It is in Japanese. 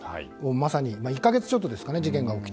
まさに１か月ちょっとですかね事件が起きて。